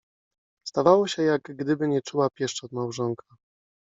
Zdawało się, jak gdyby nie czuła pieszczot małżonka.